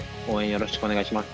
よろしくお願いします。